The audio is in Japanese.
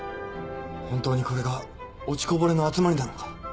本当にこれが落ちこぼれの集まりなのか？